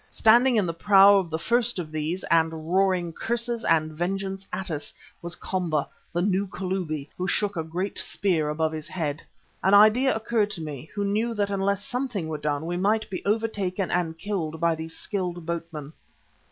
Standing in the prow of the first of these, and roaring curses and vengeance at us, was Komba, the new Kalubi, who shook a great spear above his head. An idea occurred to me, who knew that unless something were done we must be overtaken and killed by these skilled boatmen.